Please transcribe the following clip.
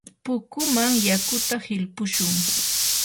pukuman yakuta hilpushun.